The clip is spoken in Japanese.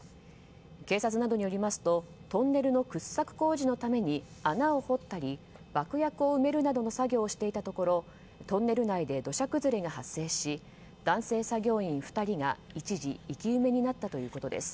警察などによりますとトンネルの掘削工事のために穴を掘ったり爆薬を埋めるなどの作業をしていたところトンネル内で土砂崩れが発生し男性作業員２人が一時、生き埋めになったということです。